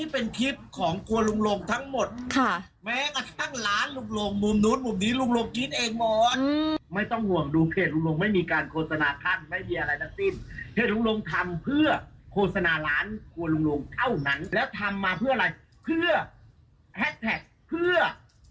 เพื่ออะไรเพื่อแฮกแท็คเพื่อ